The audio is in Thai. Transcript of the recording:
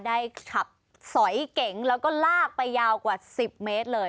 ได้ขับสอยเก๋งแล้วก็ลากไปยาวกว่า๑๐เมตรเลย